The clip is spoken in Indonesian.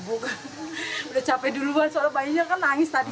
udah capek duluan soal bayinya kan nangis tadi